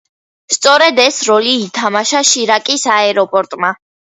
სწორედ ეს როლი ითამაშა შირაკის აეროპორტმა.